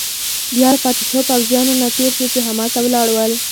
بیا له پاتې شوو پوځیانو نه تېر شوو، چې هملته ولاړ ول.